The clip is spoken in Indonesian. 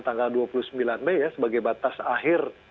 tanggal dua puluh sembilan mei ya sebagai batas akhir